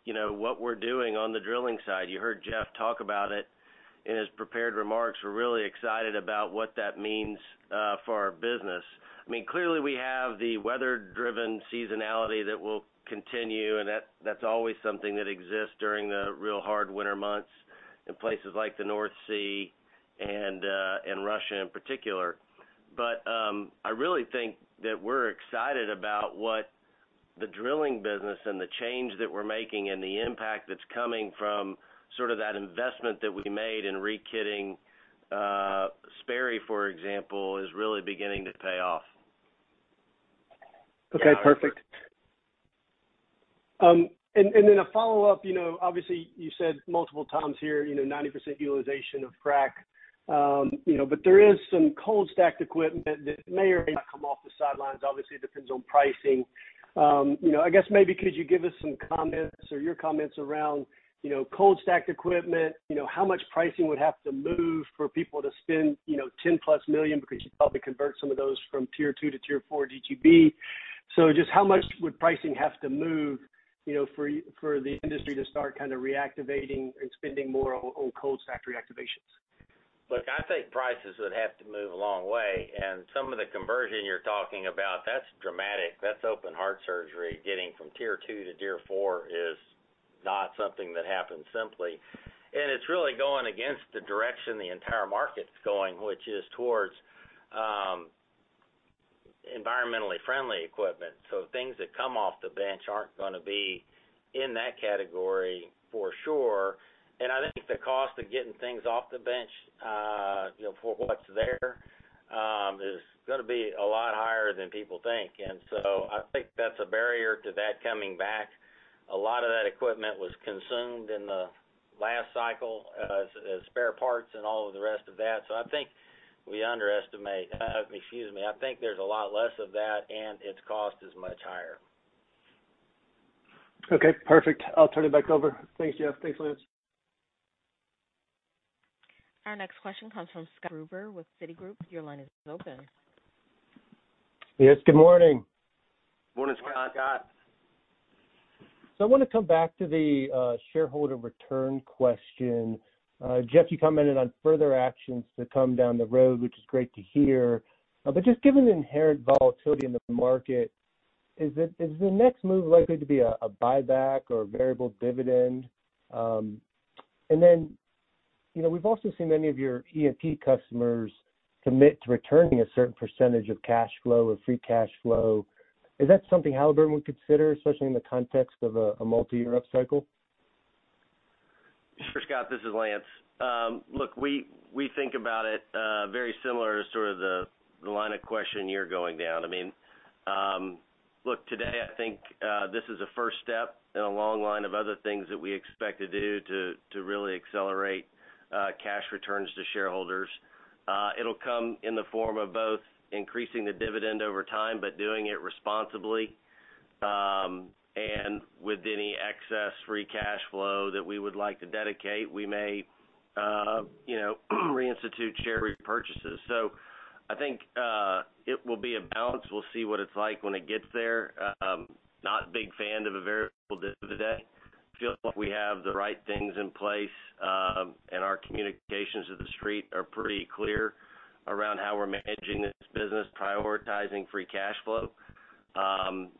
you know, what we're doing on the drilling side. You heard Jeff talk about it in his prepared remarks. We're really excited about what that means for our business. I mean, clearly we have the weather-driven seasonality that will continue, and that's always something that exists during the real hard winter months in places like the North Sea and Russia in particular. I really think that we're excited about what the drilling business and the change that we're making and the impact that's coming from sort of that investment that we made in re-kitting Sperry, for example, is really beginning to pay off. Okay, perfect. And then a follow-up, you know, obviously you said multiple times here, you know, 90% utilization of frac. You know, but there is some cold stacked equipment that may or may not come off the sidelines. Obviously, it depends on pricing. You know, I guess maybe could you give us some comments or your comments around, you know, cold stacked equipment. You know, how much pricing would have to move for people to spend, you know, $10+ million because you'd probably convert some of those from Tier 2 to Tier 4 DGB. So just how much would pricing have to move, you know, for the industry to start kind of reactivating and spending more on cold stack reactivations? Look, I think prices would have to move a long way. Some of the conversion you're talking about, that's dramatic. That's open heart surgery. Getting from Tier 2 to Tier 4 is not something that happens simply. It's really going against the direction the entire market's going, which is towards environmentally friendly equipment. Things that come off the bench aren't gonna be in that category for sure. I think the cost of getting things off the bench, you know, for what's there, is gonna be a lot higher than people think. I think that's a barrier to that coming back. A lot of that equipment was consumed in the last cycle as spare parts and all of the rest of that. I think there's a lot less of that, and its cost is much higher. Okay, perfect. I'll turn it back over. Thanks, Jeff. Thanks, Lance. Our next question comes from Scott Gruber with Citigroup. Your line is open. Yes, good morning. Morning, Scott. I wanna come back to the shareholder return question. Jeff, you commented on further actions to come down the road, which is great to hear. Just given the inherent volatility in the market, is the next move likely to be a buyback or a variable dividend? You know, we've also seen many of your E&P customers commit to returning a certain percentage of cash flow or free cash flow. Is that something Halliburton would consider, especially in the context of a multi-year upcycle? Sure, Scott, this is Lance. Look, we think about it very similar to sort of the line of questioning you're going down. I mean, look, today I think this is a first step in a long line of other things that we expect to do to really accelerate cash returns to shareholders. It'll come in the form of both increasing the dividend over time, but doing it responsibly. With any excess free cash flow that we would like to dedicate, we may you know, reinstitute share repurchases. I think it will be a balance. We'll see what it's like when it gets there. Not a big fan of a variable dividend today. Feel like we have the right things in place, and our communications to the street are pretty clear around how we're managing this business, prioritizing free cash flow.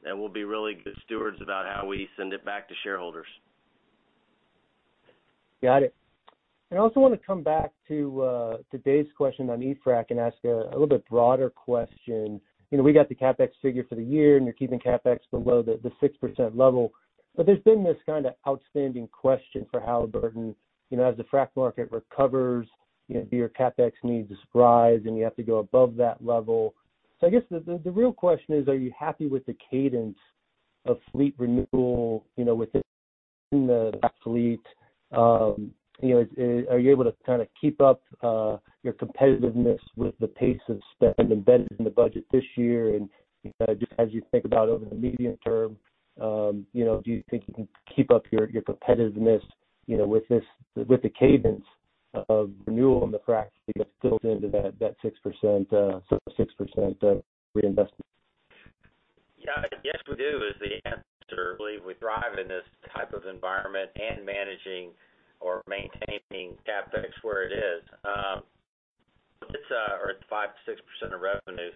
We'll be really good stewards about how we send it back to shareholders. Got it. I also wanna come back to today's question on e-frac and ask a little bit broader question. You know, we got the CapEx figure for the year, and you're keeping CapEx below the 6% level. There's been this kinda outstanding question for Halliburton, you know, as the frac market recovers, you know, do your CapEx needs rise, and you have to go above that level? I guess the real question is, are you happy with the cadence of fleet renewal, you know, within the fleet? You know, are you able to kinda keep up your competitiveness with the pace of spend embedded in the budget this year? You know, just as you think about over the medium term, you know, do you think you can keep up your competitiveness, you know, with the cadence of renewal in the frac as it builds into that 6%, sort of 6% of reinvestment? Yeah. Yes, we do is the answer. I believe we thrive in this type of environment and managing or maintaining CapEx where it is or at 5%-6% of revenue.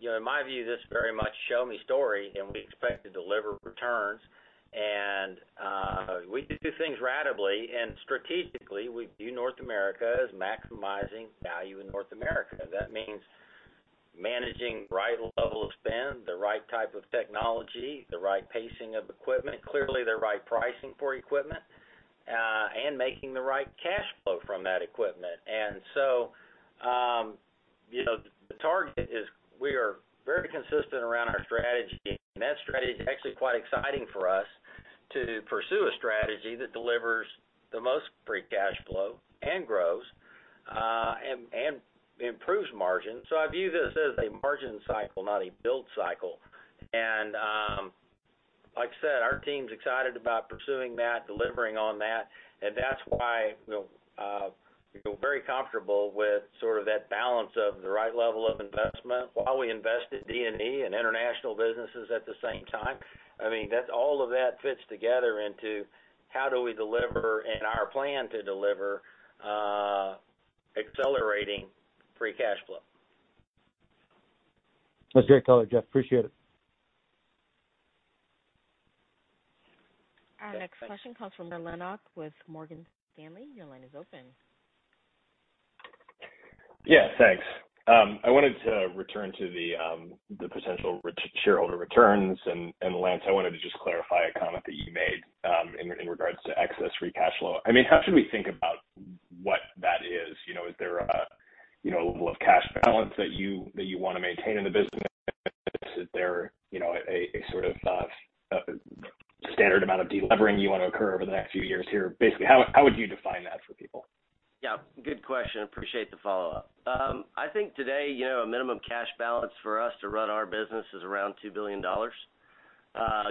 You know, in my view, this is very much a show-me story, and we expect to deliver returns. We do things ratably and strategically. We view North America as maximizing value in North America. That means managing the right level of spend, the right type of technology, the right pacing of equipment, clearly the right pricing for equipment, and making the right cash flow from that equipment. You know, the target is we are very consistent around our strategy. That strategy is actually quite exciting for us to pursue a strategy that delivers the most free cash flow and grows and improves margin. I view this as a margin cycle, not a build cycle. Like I said, our team's excited about pursuing that, delivering on that. That's why we're very comfortable with sort of that balance of the right level of investment while we invest in D&E and international businesses at the same time. I mean, that all of that fits together into how do we deliver and our plan to deliver, accelerating free cash flow. That's great color, Jeff. Appreciate it. Our next question comes from Connor Lynagh with Morgan Stanley. Your line is open. Yeah, thanks. I wanted to return to the potential shareholder returns. Lance, I wanted to just clarify a comment that you made in regards to excess free cash flow. I mean, how should we think about what that is? You know, is there a level of cash balance that you wanna maintain in the business? Is there a sort of standard amount of delevering you want to occur over the next few years here? Basically, how would you define that for people? Yeah, good question. Appreciate the follow-up. I think today, you know, a minimum cash balance for us to run our business is around $2 billion,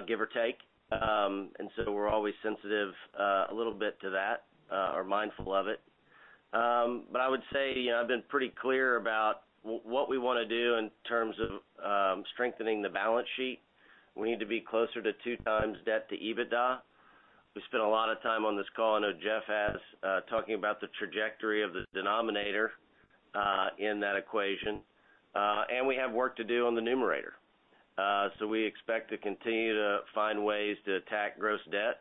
give or take. We're always sensitive a little bit to that, or mindful of it. I would say, you know, I've been pretty clear about what we wanna do in terms of strengthening the balance sheet. We need to be closer to 2x debt to EBITDA. We spent a lot of time on this call, I know Jeff has, talking about the trajectory of the denominator in that equation. We have work to do on the numerator. We expect to continue to find ways to attack gross debt.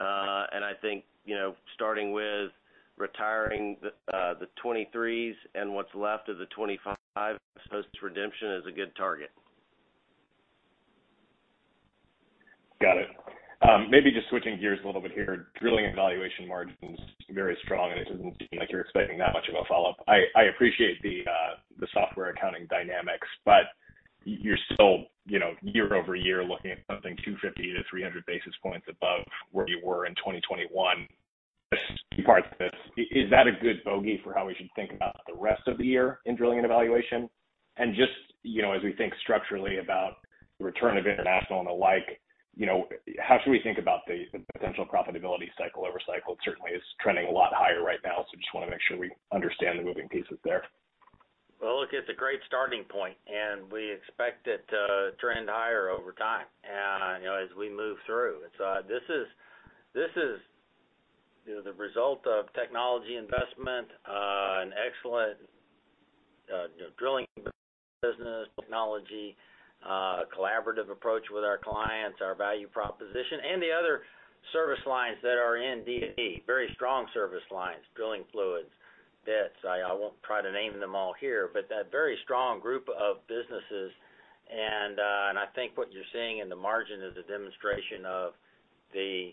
I think, you know, starting with retiring the 2023s and what's left of the 2025s post redemption is a good target. Got it, maybe just switching gears a little bit here. Drilling and Evaluation margin's very strong, and it doesn't seem like you're expecting that much of a follow-up. I appreciate the software accounting dynamics, but you're still, you know, year-over-year looking at something 250 to 300 basis points above where you were in 2021. Just two parts to this. Is that a good bogey for how we should think about the rest of the year in Drilling and Evaluation? Just, you know, as we think structurally about the return of international and the like, you know, how should we think about the potential profitability cycle over cycle? It certainly is trending a lot higher right now, so just wanna make sure we understand the moving pieces there. Well, look, it's a great starting point, and we expect it to trend higher over time and, you know, as we move through. This is, you know, the result of technology investment and excellent, you know, drilling business technology, collaborative approach with our clients, our value proposition, and the other service lines that are in D&E, very strong service lines, drilling fluids, bits. I won't try to name them all here, but that very strong group of businesses. I think what you're seeing in the margin is a demonstration of the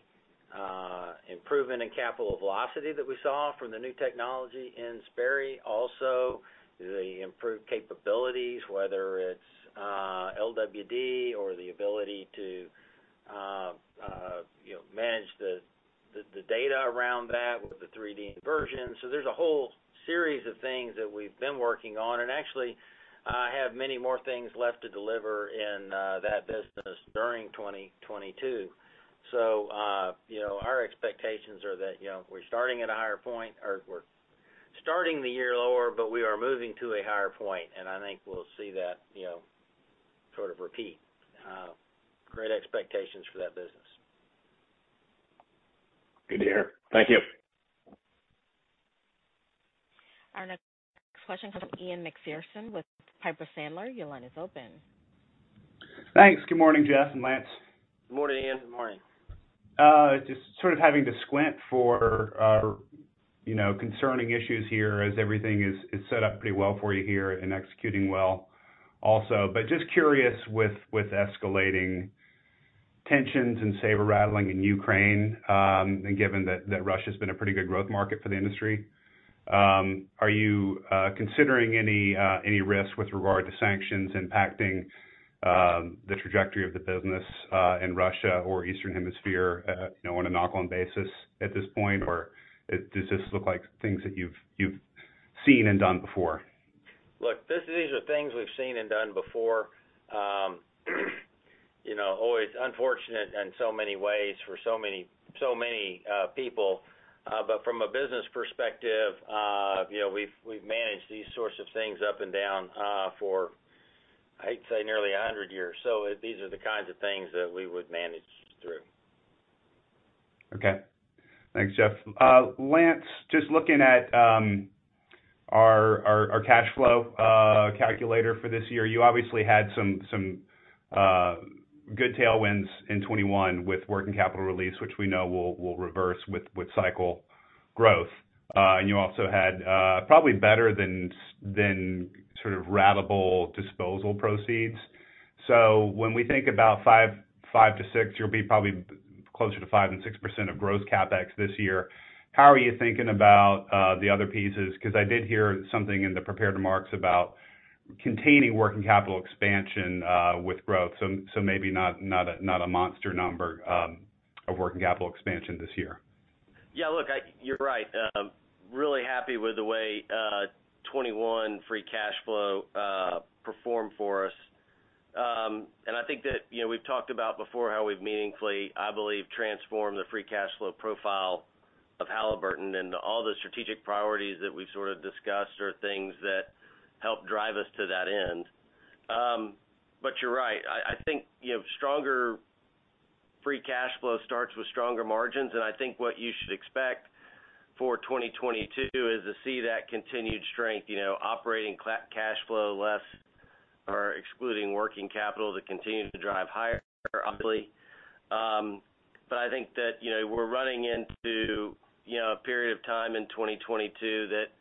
improvement in capital velocity that we saw from the new technology in Sperry, also the improved capabilities, whether it's LWD or the ability to, you know, manage the data around that with the 3D inversion. There's a whole series of things that we've been working on, and actually, have many more things left to deliver in that business during 2022. You know, our expectations are that, you know, we're starting at a higher point, or we're starting the year lower, but we are moving to a higher point, and I think we'll see that, you know, sort of repeat. Great expectations for that business. Good to hear. Thank you. Our next question comes from Ian Macpherson with Piper Sandler. Your line is open. Thanks. Good morning, Jeff and Lance. Good morning, Ian. Good morning. Just sort of having to squint for, you know, concerning issues here as everything is set up pretty well for you here and executing well also. But just curious with escalating tensions and saber-rattling in Ukraine, and given that Russia's been a pretty good growth market for the industry, are you considering any risks with regard to sanctions impacting the trajectory of the business in Russia or Eastern Hemisphere, you know, on an ongoing basis at this point, or does this look like things that you've seen and done before? Look, these are things we've seen and done before. You know, always unfortunate in so many ways for so many people. But from a business perspective, you know, we've managed these sorts of things up and down for, I'd say nearly 100 years. These are the kinds of things that we would manage through. Okay. Thanks, Jeff. Lance, just looking at our cash flow calculator for this year, you obviously had some good tailwinds in 2021 with working capital release, which we know will reverse with cycle growth. You also had probably better than sort of ratable disposal proceeds. When we think about 2025 to 2026, you'll be probably closer to 5% and 6% of gross CapEx this year. How are you thinking about the other pieces? Because I did hear something in the prepared remarks about containing working capital expansion with growth, so maybe not a monster number of working capital expansion this year. Yeah. Look, you're right. Really happy with the way 2021 free cash flow performed for us. I think that, you know, we've talked about before how we've meaningfully, I believe, transformed the free cash flow profile of Halliburton and all the strategic priorities that we've sort of discussed are things that help drive us to that end. You're right. I think, you know, stronger free cash flow starts with stronger margins, and I think what you should expect for 2022 is to see that continued strength, you know, operating cash flow less or excluding working capital that continues to drive higher, obviously. I think that, you know, we're running into, you know, a period of time in 2022 that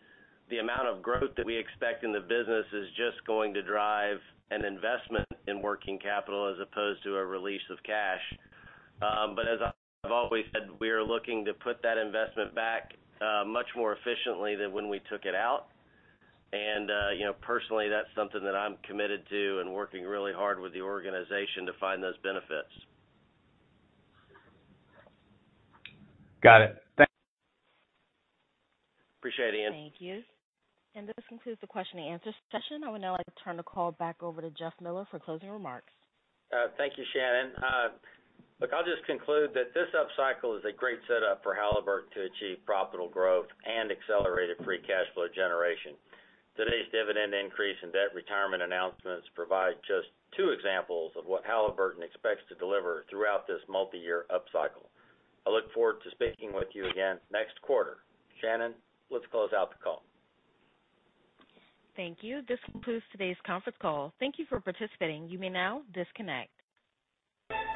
the amount of growth that we expect in the business is just going to drive an investment in working capital as opposed to a release of cash. As I've always said, we are looking to put that investment back, much more efficiently than when we took it out. You know, personally, that's something that I'm committed to and working really hard with the organization to find those benefits. Got it. Thanks. Appreciate it, Ian. Thank you. This concludes the question and answer session. I would now like to turn the call back over to Jeff Miller for closing remarks. Thank you, Shannon. Look, I'll just conclude that this upcycle is a great setup for Halliburton to achieve profitable growth and accelerated free cash flow generation. Today's dividend increase in debt retirement announcements provide just two examples of what Halliburton expects to deliver throughout this multi-year upcycle. I look forward to speaking with you again next quarter. Shannon, let's close out the call. Thank you. This concludes today's conference call. Thank you for participating. You may now disconnect.